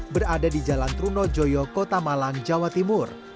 berada di jalan truno joyo kota malang jawa timur